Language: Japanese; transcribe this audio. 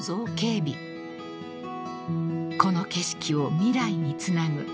［この景色を未来につなぐ］